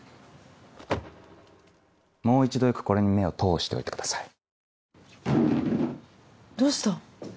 もう一度よくこれに目を通しておいてどうした？